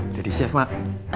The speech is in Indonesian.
udah disiap mak